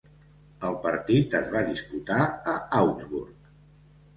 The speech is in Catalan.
El partit es va disputar a Augsburg.